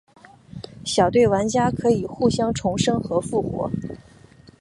小队玩家可以互相重生和复活。